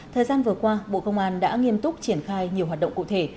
thời gian vừa qua bộ công an đã nghiêm túc triển khai nhiều hoạt động cụ thể